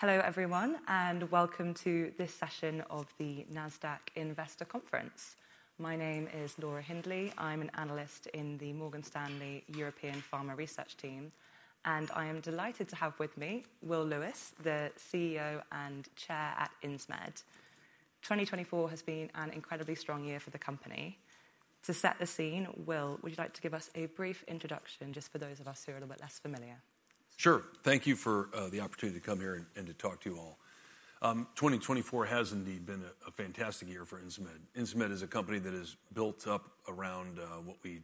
Hello, everyone, and welcome to this session of the Nasdaq Investor Conference. My name is Laura Hindley. I'm an analyst in the Morgan Stanley European Pharma Research Team, and I am delighted to have with me Will Lewis, the CEO and Chair at Insmed. 2024 has been an incredibly strong year for the company. To set the scene, Will, would you like to give us a brief introduction, just for those of us who are a little bit less familiar? Sure. Thank you for the opportunity to come here and to talk to you all. 2024 has indeed been a fantastic year for Insmed. Insmed is a company that is built up around what we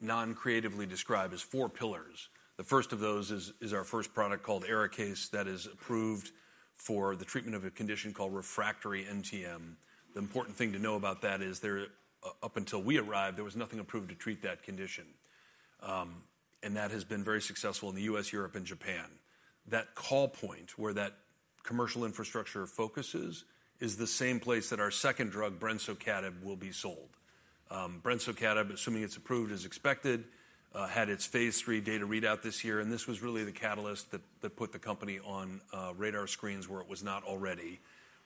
non-creatively describe as four pillars. The first of those is our first product called ARIKAYCE that is approved for the treatment of a condition called refractory NTM. The important thing to know about that is, up until we arrived, there was nothing approved to treat that condition, and that has been very successful in the U.S., Europe, and Japan. That call point, where that commercial infrastructure focuses, is the same place that our second drug, brensocatib, will be sold. Brensocatib, assuming it's approved as expected, had its phase 3 data readout this year, and this was really the catalyst that put the company on radar screens where it was not already.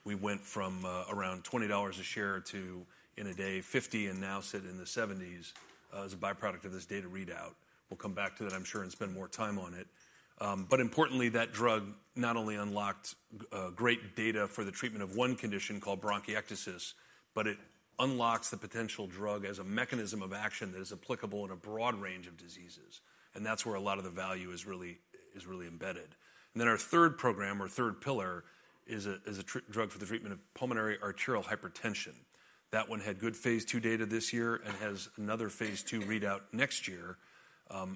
We went from around $20 a share to, in a day, $50 and now sit in the $70s as a byproduct of this data readout. We'll come back to that, I'm sure, and spend more time on it. Importantly, that drug not only unlocked great data for the treatment of one condition called bronchiectasis, but it unlocks the potential drug as a mechanism of action that is applicable in a broad range of diseases, and that's where a lot of the value is really embedded. Our third program, or third pillar, is a drug for the treatment of pulmonary arterial hypertension. That one had good phase 2 data this year and has another phase 2 readout next year,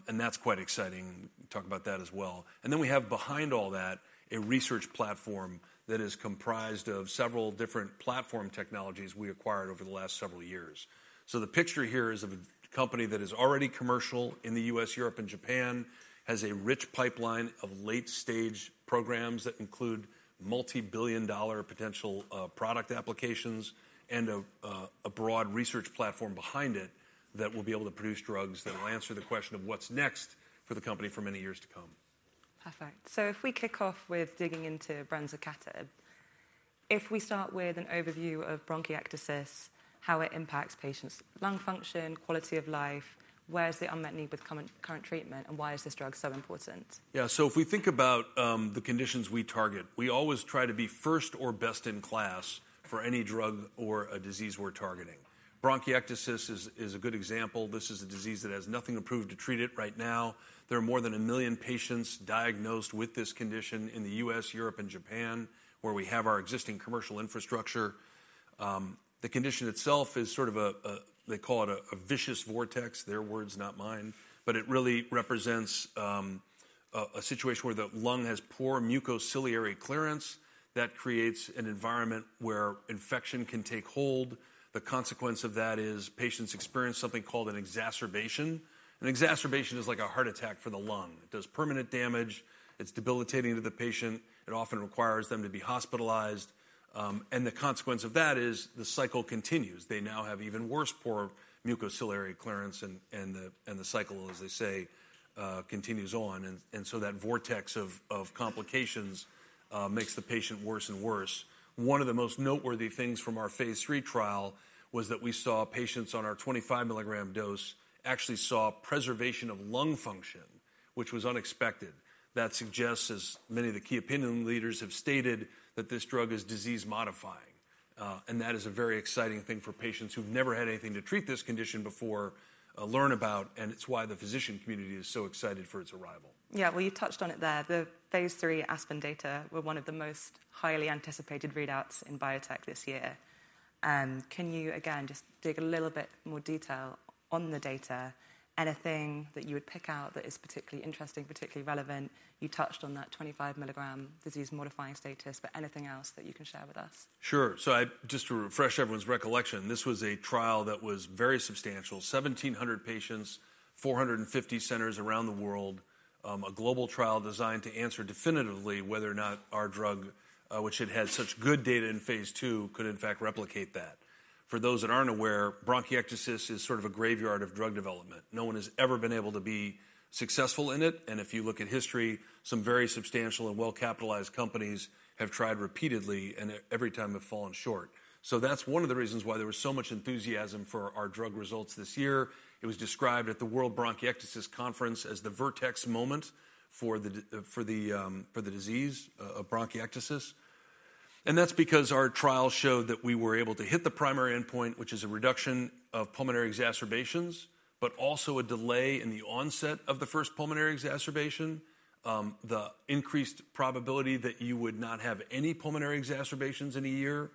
and that's quite exciting. We'll talk about that as well. We have, behind all that, a research platform that is comprised of several different platform technologies we acquired over the last several years. The picture here is of a company that is already commercial in the U.S., Europe, and Japan, has a rich pipeline of late-stage programs that include multi-billion-dollar potential product applications, and a broad research platform behind it that will be able to produce drugs that will answer the question of what's next for the company for many years to come. Perfect. If we kick off with digging into brensocatib, if we start with an overview of bronchiectasis, how it impacts patients' lung function, quality of life, where's the unmet need with current treatment, and why is this drug so important? Yeah, so if we think about the conditions we target, we always try to be first or best in class for any drug or a disease we're targeting. Bronchiectasis is a good example. This is a disease that has nothing approved to treat it right now. There are more than a million patients diagnosed with this condition in the U.S., Europe, and Japan, where we have our existing commercial infrastructure. The condition itself is sort of a, they call it a vicious vortex, their words, not mine, but it really represents a situation where the lung has poor mucociliary clearance that creates an environment where infection can take hold. The consequence of that is patients experience something called an exacerbation. An exacerbation is like a heart attack for the lung. It does permanent damage. It's debilitating to the patient. It often requires them to be hospitalized. And the consequence of that is the cycle continues. They now have even worse poor mucociliary clearance, and the cycle, as they say, continues on. And so that vortex of complications makes the patient worse and worse. One of the most noteworthy things from our phase 3 trial was that we saw patients on our 25-milligram dose actually saw preservation of lung function, which was unexpected. That suggests, as many of the key opinion leaders have stated, that this drug is disease-modifying, and that is a very exciting thing for patients who've never had anything to treat this condition before learn about, and it's why the physician community is so excited for its arrival. Yeah, well, you touched on it there. The phase 3 ASPEN data were one of the most highly anticipated readouts in biotech this year. Can you, again, just dig a little bit more detail on the data? Anything that you would pick out that is particularly interesting, particularly relevant? You touched on that 25-milligram disease-modifying status, but anything else that you can share with us? Sure. So just to refresh everyone's recollection, this was a trial that was very substantial: 1,700 patients, 450 centers around the world, a global trial designed to answer definitively whether or not our drug, which had had such good data in phase two, could, in fact, replicate that. For those that aren't aware, bronchiectasis is sort of a graveyard of drug development. No one has ever been able to be successful in it, and if you look at history, some very substantial and well-capitalized companies have tried repeatedly, and every time have fallen short. So that's one of the reasons why there was so much enthusiasm for our drug results this year. It was described at the World Bronchiectasis Conference as the Vertex moment for the disease of bronchiectasis, and that's because our trial showed that we were able to hit the primary endpoint, which is a reduction of pulmonary exacerbations, but also a delay in the onset of the first pulmonary exacerbation, the increased probability that you would not have any pulmonary exacerbations in a year.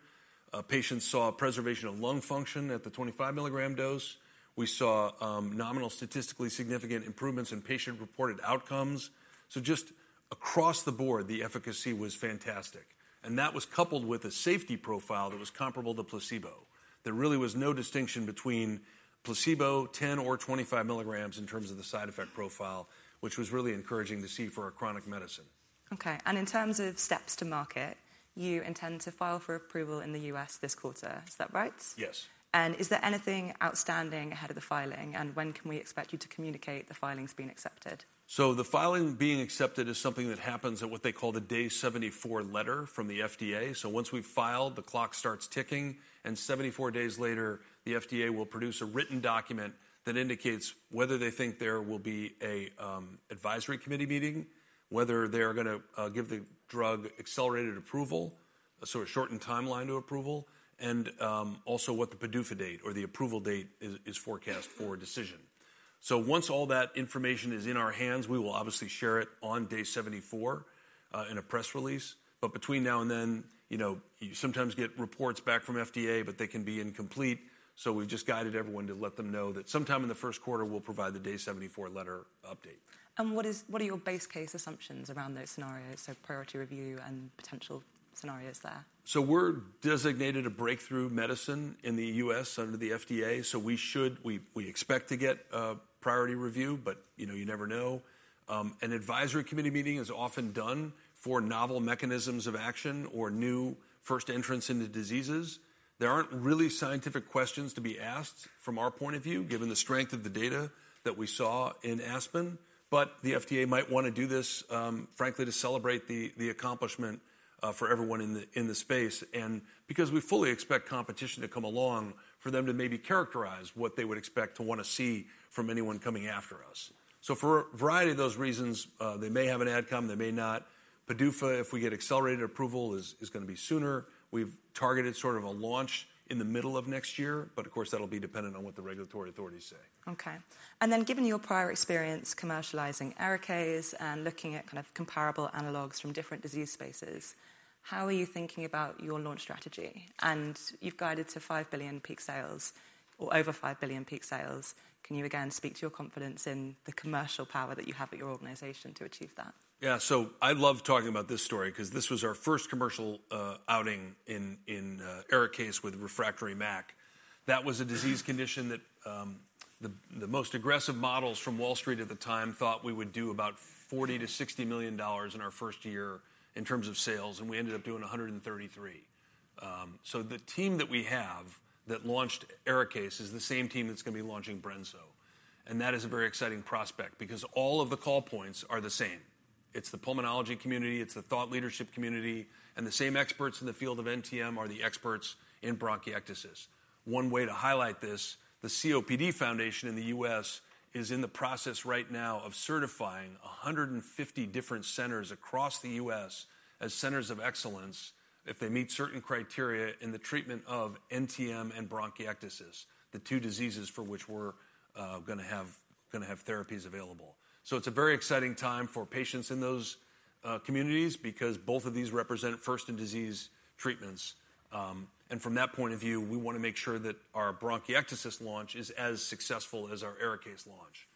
Patients saw preservation of lung function at the 25-milligram dose. We saw nominally statistically significant improvements in patient-reported outcomes. So just across the board, the efficacy was fantastic, and that was coupled with a safety profile that was comparable to placebo. There really was no distinction between placebo, 10 or 25 milligrams, in terms of the side effect profile, which was really encouraging to see for a chronic medicine. Okay. And in terms of steps to market, you intend to file for approval in the U.S. this quarter. Is that right? Yes. Is there anything outstanding ahead of the filing, and when can we expect you to communicate the filing's been accepted? So the filing being accepted is something that happens at what they call the Day 74 Letter from the FDA. So once we've filed, the clock starts ticking, and 74 days later, the FDA will produce a written document that indicates whether they think there will be an Advisory Committee meeting, whether they're going to give the drug accelerated approval, a sort of shortened timeline to approval, and also what the PDUFA date, or the approval date, is forecast for decision. So once all that information is in our hands, we will obviously share it on day 74 in a press release, but between now and then, you know, you sometimes get reports back from FDA, but they can be incomplete, so we've just guided everyone to let them know that sometime in the Q1, we'll provide the Day 74 Letter update. What are your base case assumptions around those scenarios, so priority review and potential scenarios there? So we're designated a breakthrough medicine in the U.S. under the FDA, so we should, we expect to get priority review, but you never know. An advisory committee meeting is often done for novel mechanisms of action or new first entrants into diseases. There aren't really scientific questions to be asked from our point of view, given the strength of the data that we saw in ASPEN, but the FDA might want to do this, frankly, to celebrate the accomplishment for everyone in the space, and because we fully expect competition to come along for them to maybe characterize what they would expect to want to see from anyone coming after us. So for a variety of those reasons, they may have an adcom, they may not. PDUFA, if we get accelerated approval, is going to be sooner. We've targeted sort of a launch in the middle of next year, but of course, that'll be dependent on what the regulatory authorities say. Okay. And then given your prior experience commercializing ARIKAYCE and looking at kind of comparable analogs from different disease spaces, how are you thinking about your launch strategy? And you've guided to $5 billion peak sales, or over $5 billion peak sales. Can you, again, speak to your confidence in the commercial power that you have at your organization to achieve that? Yeah, so I love talking about this story because this was our first commercial outing in ARIKAYCE with refractory MAC. That was a disease condition that the most aggressive models from Wall Street at the time thought we would do about $40-$60 million in our first year in terms of sales, and we ended up doing $133 million. So the team that we have that launched ARIKAYCE is the same team that's going to be launching brensocatib, and that is a very exciting prospect because all of the call points are the same. It's the pulmonology community, it's the thought leadership community, and the same experts in the field of NTM are the experts in bronchiectasis. One way to highlight this, the COPD Foundation in the U.S. is in the process right now of certifying 150 different centers across the U.S. as centers of excellence if they meet certain criteria in the treatment of NTM and bronchiectasis, the two diseases for which we're going to have therapies available. So it's a very exciting time for patients in those communities because both of these represent first-in-disease treatments, and from that point of view, we want to make sure that our bronchiectasis launch is as successful as our ARIKAYCE launch.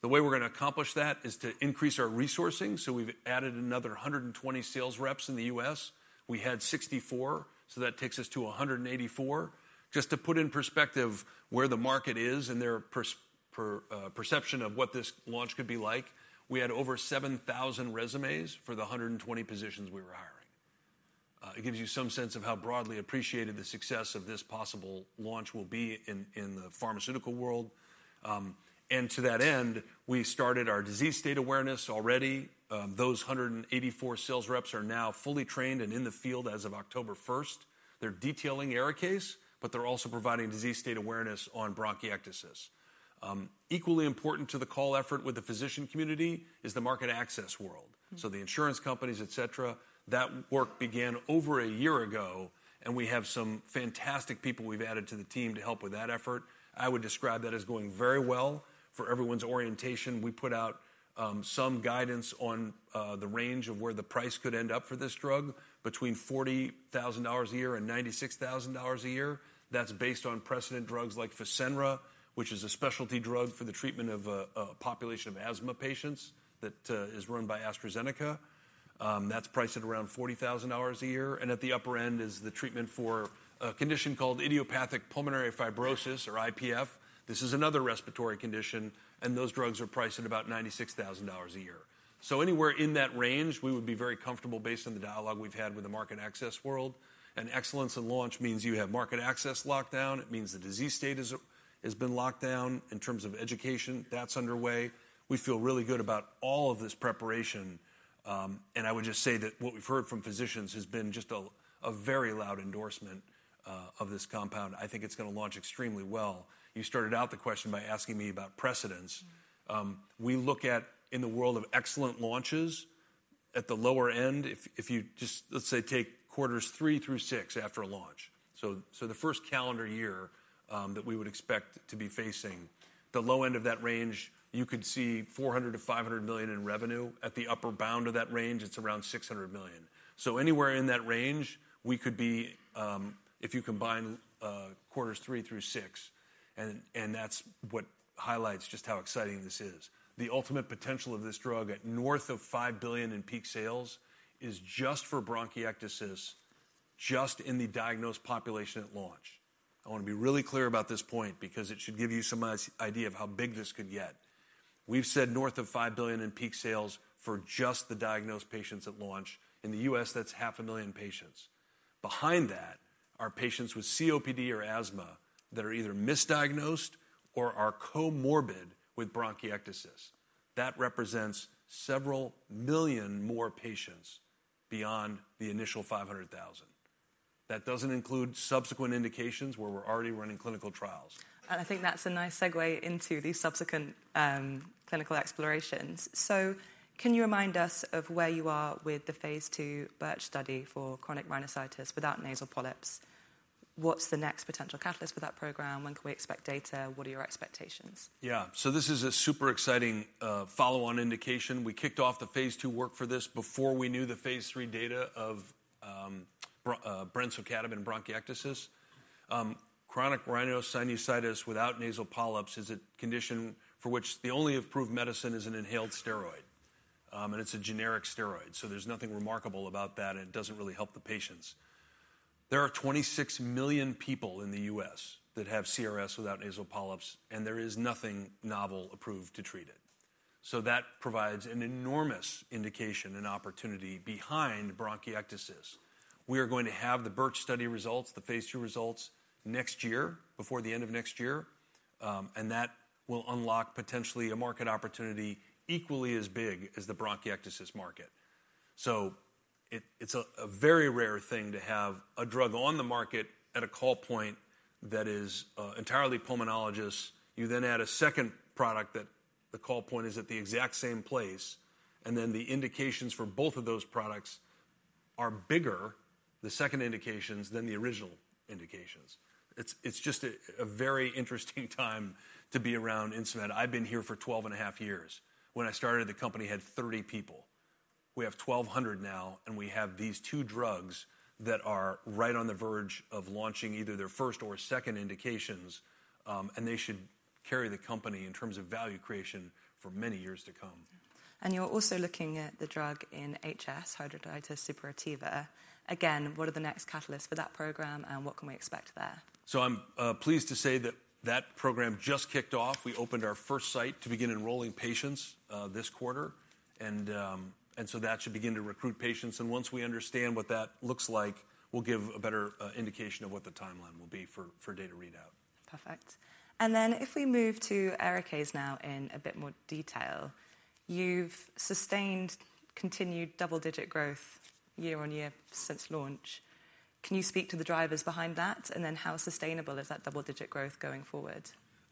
The way we're going to accomplish that is to increase our resourcing, so we've added another 120 sales reps in the U.S. We had 64, so that takes us to 184. Just to put in perspective where the market is and their perception of what this launch could be like, we had over 7,000 resumes for the 120 positions we were hiring. It gives you some sense of how broadly appreciated the success of this possible launch will be in the pharmaceutical world. To that end, we started our disease state awareness already. Those 184 sales reps are now fully trained and in the field as of October 1st. They're detailing ARIKAYCE, but they're also providing disease state awareness on bronchiectasis. Equally important to the call effort with the physician community is the market access world, so the insurance companies, etc. That work began over a year ago, and we have some fantastic people we've added to the team to help with that effort. I would describe that as going very well. For everyone's orientation, we put out some guidance on the range of where the price could end up for this drug, between $40,000 a year and $96,000 a year. That's based on precedent drugs like Fasenra, which is a specialty drug for the treatment of a population of asthma patients that is run by AstraZeneca. That's priced at around $40,000 a year, and at the upper end is the treatment for a condition called idiopathic pulmonary fibrosis, or IPF. This is another respiratory condition, and those drugs are priced at about $96,000 a year. So anywhere in that range, we would be very comfortable based on the dialogue we've had with the market access world. And excellence in launch means you have market access locked down. It means the disease state has been locked down. In terms of education, that's underway. We feel really good about all of this preparation, and I would just say that what we've heard from physicians has been just a very loud endorsement of this compound. I think it's going to launch extremely well. You started out the question by asking me about precedence. We look at, in the world of excellent launches, at the lower end, if you just, let's say, take quarters three through six after a launch. So the first calendar year that we would expect to be facing, the low end of that range, you could see $400-$500 million in revenue. At the upper bound of that range, it's around $600 million. So anywhere in that range, we could be, if you combine quarters three through six, and that's what highlights just how exciting this is. The ultimate potential of this drug at north of $5 billion in peak sales is just for bronchiectasis, just in the diagnosed population at launch. I want to be really clear about this point because it should give you some idea of how big this could get. We've said north of $5 billion in peak sales for just the diagnosed patients at launch. In the U.S., that's 500,000 patients. Behind that are patients with COPD or asthma that are either misdiagnosed or are comorbid with bronchiectasis. That represents several million more patients beyond the initial 500,000. That doesn't include subsequent indications where we're already running clinical trials. I think that's a nice segue into these subsequent clinical explorations. So can you remind us of where you are with the phase 2 BIRCH study for chronic rhinosinusitis without nasal polyps? What's the next potential catalyst for that program? When can we expect data? What are your expectations? Yeah, so this is a super exciting follow-on indication. We kicked off the phase two work for this before we knew the phase three data of brensocatib bronchiectasis. Chronic rhinosinusitis without nasal polyps is a condition for which the only approved medicine is an inhaled steroid, and it's a generic steroid, so there's nothing remarkable about that, and it doesn't really help the patients. There are 26 million people in the U.S. that have CRS without nasal polyps, and there is nothing novel approved to treat it. So that provides an enormous indication and opportunity behind bronchiectasis. We are going to have the BIRCH study results, the phase two results, next year, before the end of next year, and that will unlock potentially a market opportunity equally as big as the bronchiectasis market. So it's a very rare thing to have a drug on the market at a call point that is entirely pulmonologists. You then add a second product that the call point is at the exact same place, and then the indications for both of those products are bigger, the second indications, than the original indications. It's just a very interesting time to be around Insmed. I've been here for 12 and a half years. When I started, the company had 30 people. We have 1,200 now, and we have these two drugs that are right on the verge of launching either their first or second indications, and they should carry the company in terms of value creation for many years to come. You're also looking at the drug in HS, hidradenitis suppurativa. Again, what are the next catalysts for that program, and what can we expect there? I'm pleased to say that that program just kicked off. We opened our first site to begin enrolling patients this quarter, and so that should begin to recruit patients, and once we understand what that looks like, we'll give a better indication of what the timeline will be for data readout. Perfect. And then if we move to ARIKAYCE now in a bit more detail, you've sustained continued double-digit growth year on year since launch. Can you speak to the drivers behind that, and then how sustainable is that double-digit growth going forward?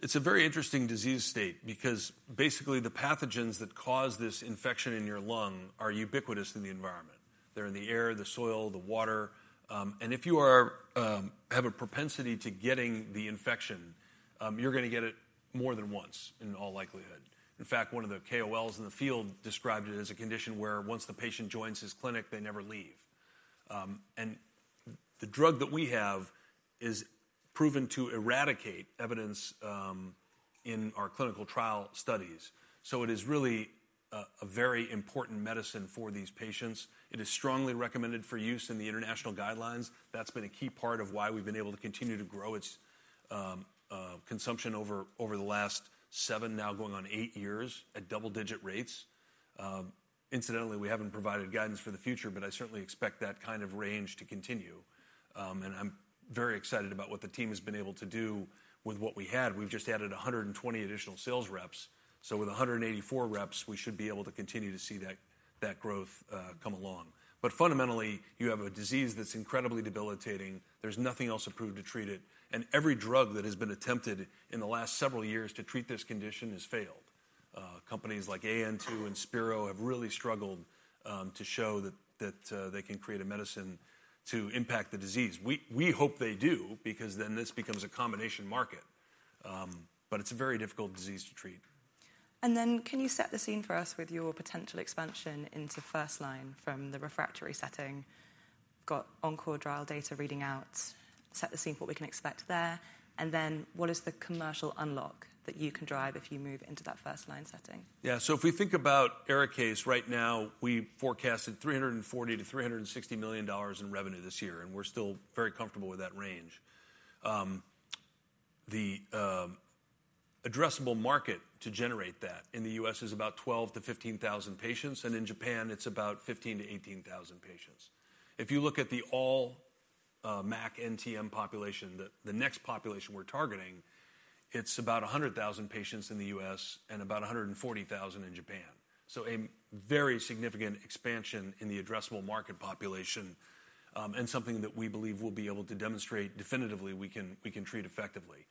It's a very interesting disease state because basically the pathogens that cause this infection in your lung are ubiquitous in the environment. They're in the air, the soil, the water, and if you have a propensity to getting the infection, you're going to get it more than once in all likelihood, and the drug that we have is proven to eradicate evidence in our clinical trial studies, so it is really a very important medicine for these patients. It is strongly recommended for use in the international guidelines. That's been a key part of why we've been able to continue to grow its consumption over the last seven, now going on eight years at double-digit rates. Incidentally, we haven't provided guidance for the future, but I certainly expect that kind of range to continue, and I'm very excited about what the team has been able to do with what we had. We've just added 120 additional sales reps, so with 184 reps, we should be able to continue to see that growth come along. But fundamentally, you have a disease that's incredibly debilitating. There's nothing else approved to treat it, and every drug that has been attempted in the last several years to treat this condition has failed. Companies like AN2 and Spero have really struggled to show that they can create a medicine to impact the disease. We hope they do because then this becomes a combination market, but it's a very difficult disease to treat. Then can you set the scene for us with your potential expansion into first-line from the refractory setting? Got ENCORE trial data reading out. Set the scene for what we can expect there, and then what is the commercial unlock that you can drive if you move into that first-line setting? Yeah, so if we think about ARIKAYCE right now, we forecasted $340-$360 million in revenue this year, and we're still very comfortable with that range. The addressable market to generate that in the U.S. is about 12 to 15,000 patients, and in Japan, it's about 15 to 18,000 patients. If you look at the all MAC NTM population, the next population we're targeting, it's about 100,000 patients in the U.S. and about 140,000 in Japan. So a very significant expansion in the addressable market population and something that we believe we'll be able to demonstrate definitively we can treat effectively.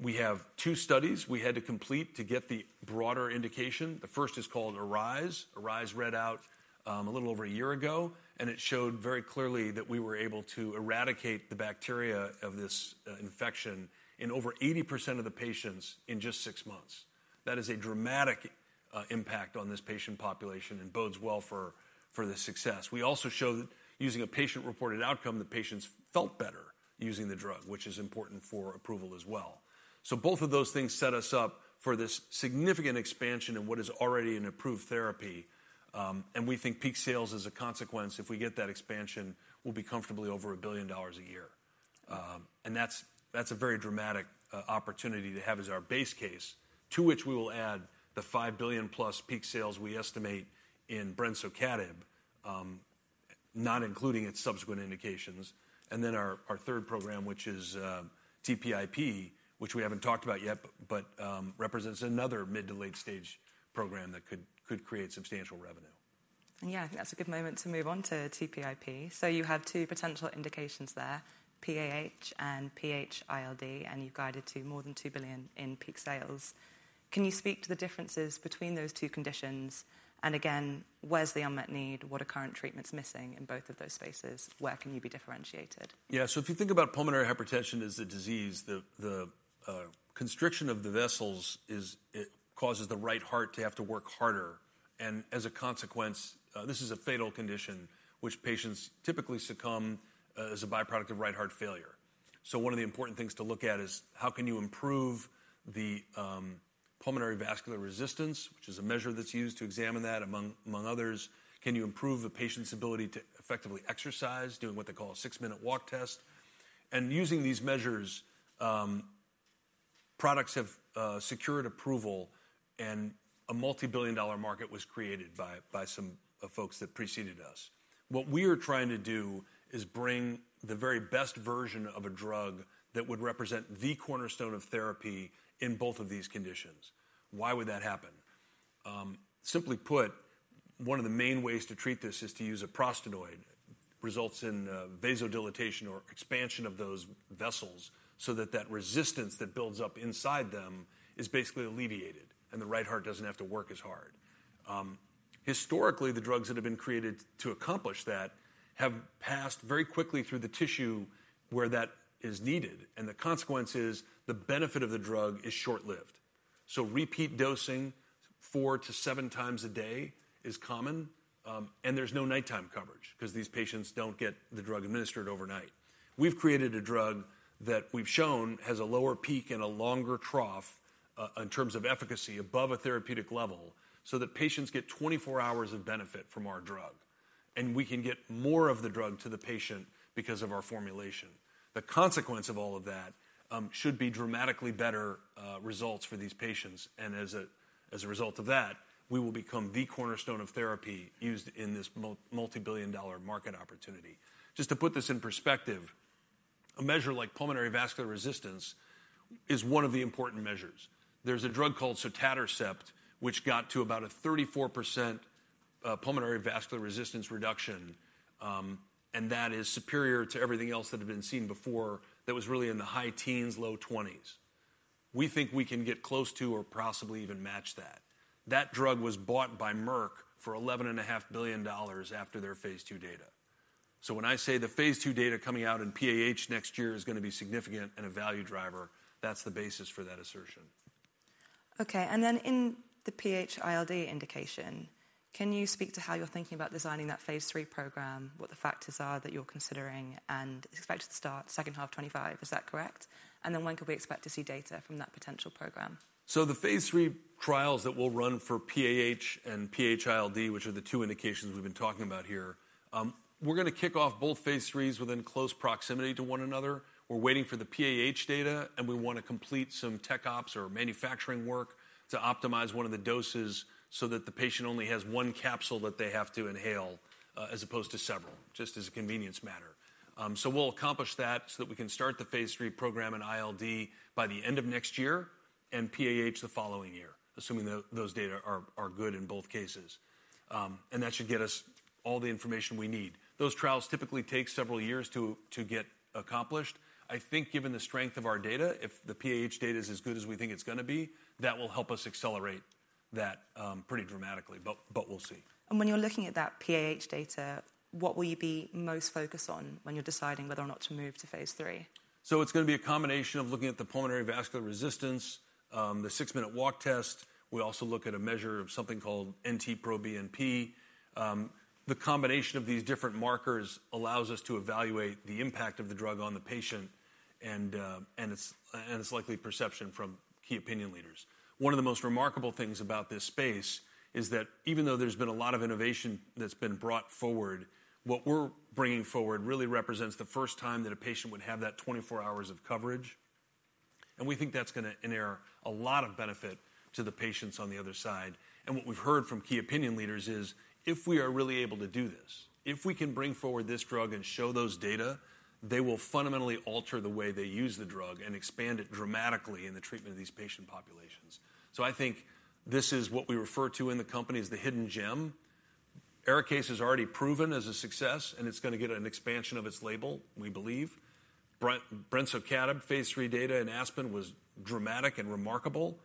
We have two studies we had to complete to get the broader indication. The first is called ARISE. ARISE readout a little over a year ago, and it showed very clearly that we were able to eradicate the bacteria of this infection in over 80% of the patients in just six months. That is a dramatic impact on this patient population and bodes well for the success. We also showed that using a patient-reported outcome, the patients felt better using the drug, which is important for approval as well. So both of those things set us up for this significant expansion in what is already an approved therapy, and we think peak sales as a consequence, if we get that expansion, we'll be comfortably over $1 billion a year. And that's a very dramatic opportunity to have as our base case, to which we will add the $5 billion plus peak sales we estimate in brensocatib, not including its subsequent indications. Our third program, which is TPIP, which we haven't talked about yet, but represents another mid- to late-stage program that could create substantial revenue. Yeah, I think that's a good moment to move on to TPIP. So you have two potential indications there, PAH and PH-ILD, and you've guided to more than $2 billion in peak sales. Can you speak to the differences between those two conditions? And again, where's the unmet need? What are current treatments missing in both of those spaces? Where can you be differentiated? Yeah, so if you think about pulmonary hypertension as a disease, the constriction of the vessels causes the right heart to have to work harder, and as a consequence, this is a fatal condition, which patients typically succumb as a byproduct of right heart failure. So one of the important things to look at is how can you improve the pulmonary vascular resistance, which is a measure that's used to examine that among others? Can you improve a patient's ability to effectively exercise, doing what they call a six-minute walk test? And using these measures, products have secured approval, and a multi-billion-dollar market was created by some folks that preceded us. What we are trying to do is bring the very best version of a drug that would represent the cornerstone of therapy in both of these conditions. Why would that happen? Simply put, one of the main ways to treat this is to use a prostanoid. Results in vasodilation or expansion of those vessels so that that resistance that builds up inside them is basically alleviated, and the right heart doesn't have to work as hard. Historically, the drugs that have been created to accomplish that have passed very quickly through the tissue where that is needed, and the consequence is the benefit of the drug is short-lived. So repeat dosing four to seven times a day is common, and there's no nighttime coverage because these patients don't get the drug administered overnight. We've created a drug that we've shown has a lower peak and a longer trough in terms of efficacy above a therapeutic level so that patients get 24 hours of benefit from our drug, and we can get more of the drug to the patient because of our formulation. The consequence of all of that should be dramatically better results for these patients, and as a result of that, we will become the cornerstone of therapy used in this multi-billion dollar market opportunity. Just to put this in perspective, a measure like pulmonary vascular resistance is one of the important measures. There's a drug called sotatercept, which got to about a 34% pulmonary vascular resistance reduction, and that is superior to everything else that had been seen before that was really in the high teens, low twenties. We think we can get close to or possibly even match that. That drug was bought by Merck for $11.5 billion after their phase two data. So when I say the phase two data coming out in PAH next year is going to be significant and a value driver, that's the basis for that assertion. Okay, and then in the PH-ILD indication, can you speak to how you're thinking about designing that phase 3 program, what the factors are that you're considering, and expected to start second half 2025? Is that correct? And then when could we expect to see data from that potential program? So the phase 3 trials that we'll run for PAH and PH-ILD, which are the two indications we've been talking about here, we're going to kick off both phase 3s within close proximity to one another. We're waiting for the PAH data, and we want to complete some tech ops or manufacturing work to optimize one of the doses so that the patient only has one capsule that they have to inhale as opposed to several, just as a convenience matter. So we'll accomplish that so that we can start the phase 3 program in PH-ILD by the end of next year and PAH the following year, assuming those data are good in both cases, and that should get us all the information we need. Those trials typically take several years to get accomplished. I think given the strength of our data, if the PAH data is as good as we think it's going to be, that will help us accelerate that pretty dramatically, but we'll see. When you're looking at that PAH data, what will you be most focused on when you're deciding whether or not to move to phase 3? It's going to be a combination of looking at the pulmonary vascular resistance, the six-minute walk test. We also look at a measure of something called NT-proBNP. The combination of these different markers allows us to evaluate the impact of the drug on the patient and its likely perception from key opinion leaders. One of the most remarkable things about this space is that even though there's been a lot of innovation that's been brought forward, what we're bringing forward really represents the first time that a patient would have that 24 hours of coverage, and we think that's going to inure a lot of benefit to the patients on the other side. What we've heard from key opinion leaders is if we are really able to do this, if we can bring forward this drug and show those data, they will fundamentally alter the way they use the drug and expand it dramatically in the treatment of these patient populations. So I think this is what we refer to in the company as the hidden gem. ARIKAYCE has already proven as a success, and it's going to get an expansion of its label, we believe. Brensocatib, phase 3 data in ASPEN was dramatic and remarkable,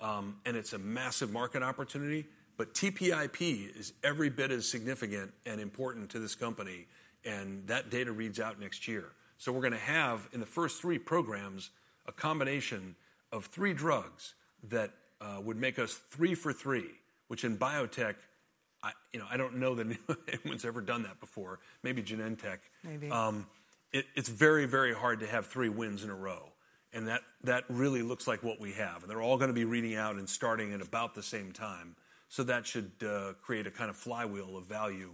and it's a massive market opportunity, but TPIP is every bit as significant and important to this company, and that data reads out next year. So we're going to have in the first three programs a combination of three drugs that would make us three for three, which in biotech, you know, I don't know that anyone's ever done that before. Maybe Genentech. Maybe. It's very, very hard to have three wins in a row, and that really looks like what we have, and they're all going to be reading out and starting at about the same time, so that should create a kind of flywheel of value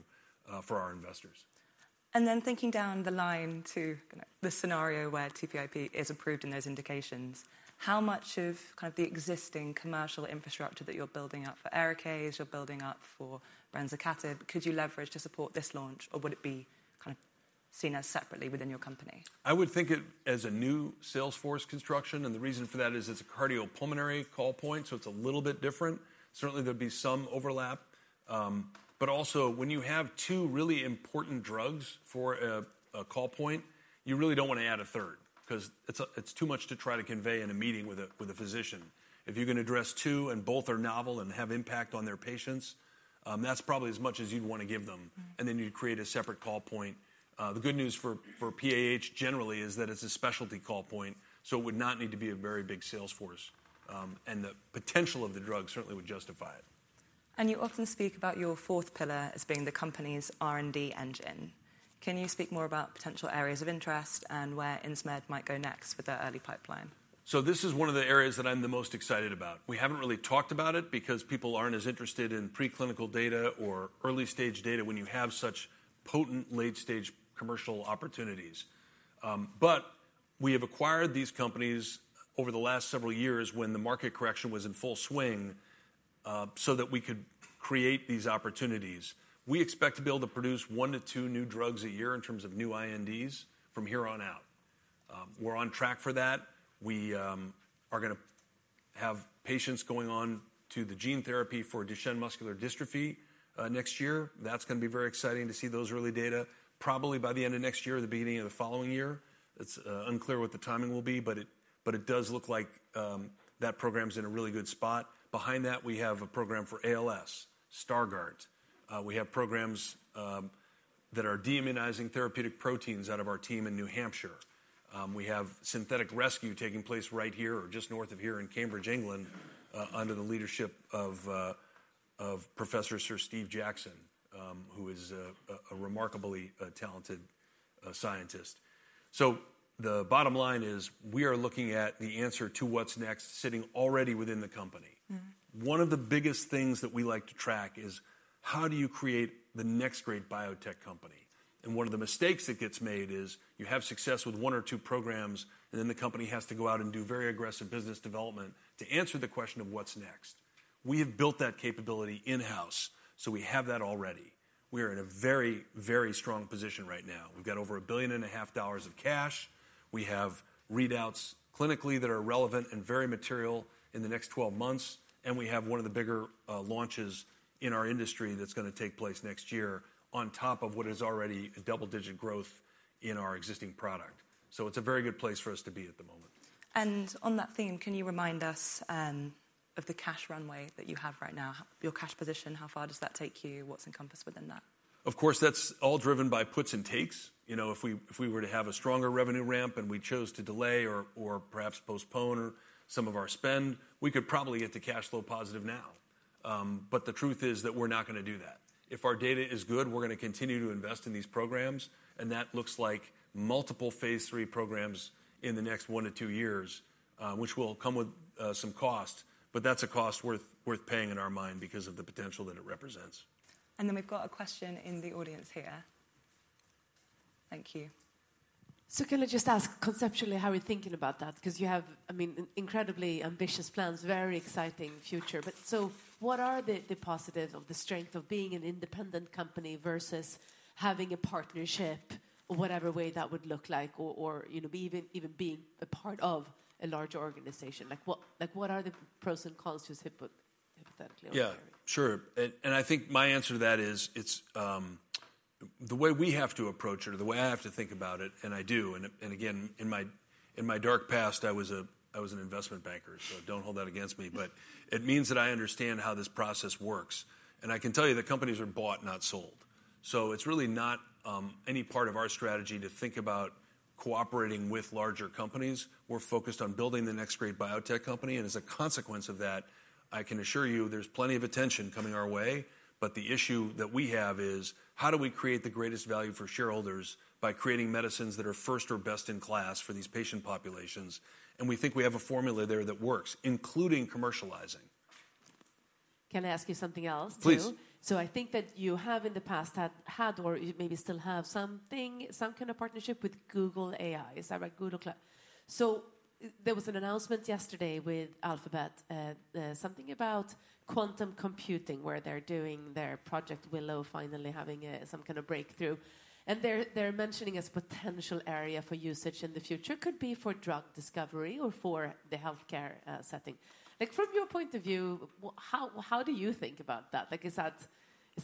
for our investors. And then thinking down the line to the scenario where TPIP is approved in those indications, how much of kind of the existing commercial infrastructure that you're building up for ARIKAYCE, you're building up for brensocatib, could you leverage to support this launch, or would it be kind of seen as separately within your company? I would think of it as a new sales force construction, and the reason for that is it's a cardiopulmonary call point, so it's a little bit different. Certainly, there'd be some overlap, but also when you have two really important drugs for a call point, you really don't want to add a third because it's too much to try to convey in a meeting with a physician. If you can address two and both are novel and have impact on their patients, that's probably as much as you'd want to give them, and then you'd create a separate call point. The good news for PAH generally is that it's a specialty call point, so it would not need to be a very big sales force, and the potential of the drug certainly would justify it. You often speak about your fourth pillar as being the company's R&D engine. Can you speak more about potential areas of interest and where Insmed might go next with their early pipeline? This is one of the areas that I'm the most excited about. We haven't really talked about it because people aren't as interested in preclinical data or early stage data when you have such potent late stage commercial opportunities, but we have acquired these companies over the last several years when the market correction was in full swing so that we could create these opportunities. We expect to be able to produce one to two new drugs a year in terms of new INDs from here on out. We're on track for that. We are going to have patients going on to the gene therapy for Duchenne Muscular Dystrophy next year. That's going to be very exciting to see those early data, probably by the end of next year or the beginning of the following year. It's unclear what the timing will be, but it does look like that program's in a really good spot. Behind that, we have a program for ALS, Stargardt. We have programs that are deimmunizing therapeutic proteins out of our team in New Hampshire. We have synthetic rescue taking place right here or just north of here in Cambridge, England, under the leadership of Professor Sir Steve Jackson, who is a remarkably talented scientist. So the bottom line is we are looking at the answer to what's next sitting already within the company. One of the biggest things that we like to track is how do you create the next great biotech company? And one of the mistakes that gets made is you have success with one or two programs, and then the company has to go out and do very aggressive business development to answer the question of what's next. We have built that capability in-house, so we have that already. We are in a very, very strong position right now. We've got over $1.5 billion of cash. We have readouts clinically that are relevant and very material in the next 12 months, and we have one of the bigger launches in our industry that's going to take place next year on top of what is already a double-digit growth in our existing product. So it's a very good place for us to be at the moment. On that theme, can you remind us of the cash runway that you have right now? Your cash position, how far does that take you? What's encompassed within that? Of course, that's all driven by puts and takes. You know, if we were to have a stronger revenue ramp and we chose to delay or perhaps postpone some of our spend, we could probably get the cash flow positive now, but the truth is that we're not going to do that. If our data is good, we're going to continue to invest in these programs, and that looks like multiple phase 3 programs in the next one to two years, which will come with some cost, but that's a cost worth paying in our mind because of the potential that it represents. And then we've got a question in the audience here. Thank you. So can I just ask conceptually how we're thinking about that? Because you have, I mean, incredibly ambitious plans, very exciting future, but so what are the positives of the strength of being an independent company versus having a partnership or whatever way that would look like or, you know, even being a part of a larger organization? Like what are the pros and cons to us hypothetically? Yeah, sure. And I think my answer to that is it's the way we have to approach it or the way I have to think about it, and I do. And again, in my dark past, I was an investment banker, so don't hold that against me, but it means that I understand how this process works. And I can tell you that companies are bought, not sold. So it's really not any part of our strategy to think about cooperating with larger companies. We're focused on building the next great biotech company, and as a consequence of that, I can assure you there's plenty of attention coming our way, but the issue that we have is how do we create the greatest value for shareholders by creating medicines that are first or best in class for these patient populations? We think we have a formula there that works, including commercializing. Can I ask you something else? Please. So, I think that you have in the past had or you maybe still have something, some kind of partnership with Google AI. Is that right? Google Cloud. So there was an announcement yesterday with Alphabet, something about quantum computing where they're doing their project, Willow, finally having some kind of breakthrough, and they're mentioning as a potential area for usage in the future could be for drug discovery or for the healthcare setting. Like, from your point of view, how do you think about that? Like, is that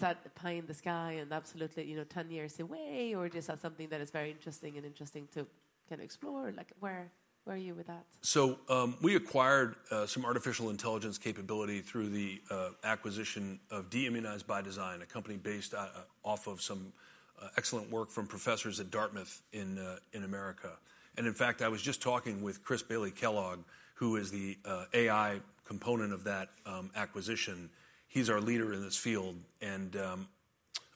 a pie in the sky and absolutely, you know, 10 years away, or just something that is very interesting and interesting to kind of explore? Like, where are you with that? We acquired some artificial intelligence capability through the acquisition of Deimmunize by Design, a company based off of some excellent work from professors at Dartmouth in America. And in fact, I was just talking with Chris Bailey-Kellogg, who is the AI component of that acquisition. He's our leader in this field, and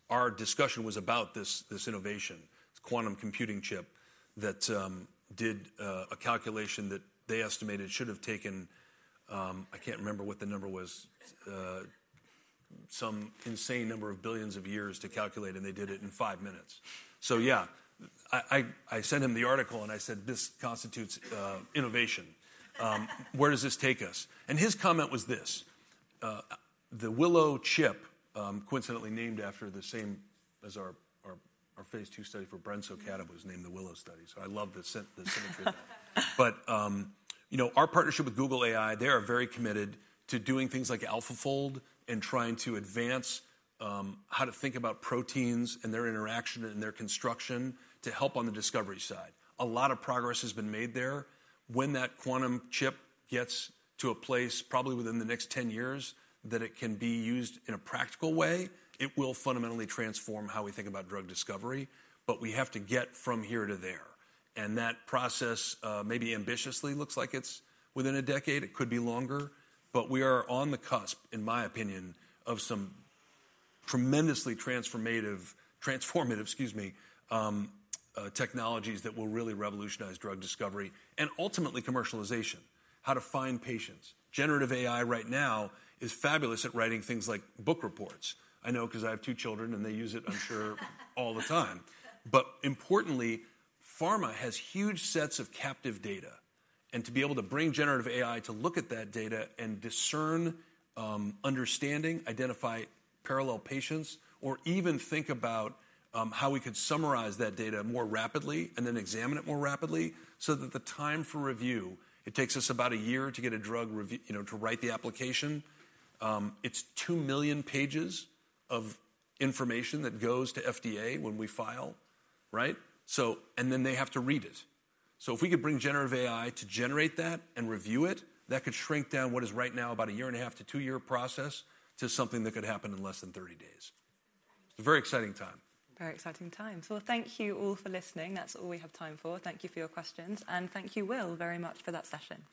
our discussion was about this innovation, this quantum computing chip that did a calculation that they estimated should have taken, I can't remember what the number was, some insane number of billions of years to calculate, and they did it in five minutes. So yeah, I sent him the article and I said, this constitutes innovation. Where does this take us? And his comment was this: the Willow chip, coincidentally named after the same as our phase 2 study for brensocatib, was named the Willow study, so I love the synergy. But you know, our partnership with Google AI. They are very committed to doing things like AlphaFold and trying to advance how to think about proteins and their interaction and their construction to help on the discovery side. A lot of progress has been made there. When that quantum chip gets to a place probably within the next 10 years that it can be used in a practical way, it will fundamentally transform how we think about drug discovery, but we have to get from here to there, and that process maybe ambitiously looks like it's within a decade. It could be longer, but we are on the cusp, in my opinion, of some tremendously transformative, excuse me, technologies that will really revolutionize drug discovery and ultimately commercialization, how to find patients. Generative AI right now is fabulous at writing things like book reports. I know because I have two children and they use it, I'm sure, all the time, but importantly, pharma has huge sets of captive data, and to be able to bring generative AI to look at that data and discern, understand, identify parallel patients, or even think about how we could summarize that data more rapidly and then examine it more rapidly so that the time for review, it takes us about a year to get a drug review, you know, to write the application. It's 2 million pages of information that goes to FDA when we file, right? So and then they have to read it. So if we could bring generative AI to generate that and review it, that could shrink down what is right now about a year and a half to two-year process to something that could happen in less than 30 days. It's a very exciting time. Very exciting time. So thank you all for listening. That's all we have time for. Thank you for your questions, and thank you, Will, very much for that session.